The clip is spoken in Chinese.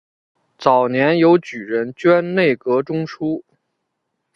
早年由举人捐内阁中书。